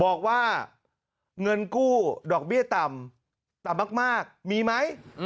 บอกว่าเงินกู้ดอกเบี้ยต่ำต่ำมากมีไหม